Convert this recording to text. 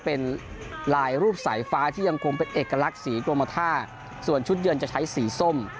เป็นลายรูปสายฟ้าที่ยังคงเป็นเอกลักษณ์สีกรมท่าส่วนชุดเยือนจะใช้สีส้ม